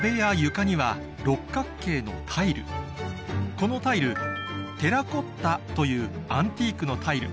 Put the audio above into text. このタイルテラコッタというアンティークのタイル